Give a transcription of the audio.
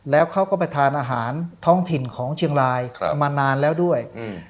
แล้วเขาก็ไปทานอาหารท้องถิ่นของเชียงรายมานานแล้วด้วย